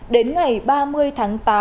đến ngày ba mươi tháng tám